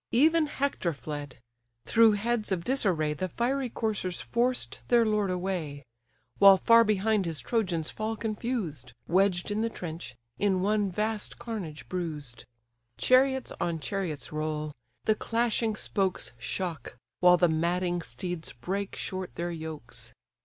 Even Hector fled; through heads of disarray The fiery coursers forced their lord away: While far behind his Trojans fall confused; Wedged in the trench, in one vast carnage bruised: Chariots on chariots roll: the clashing spokes Shock; while the madding steeds break short their yokes.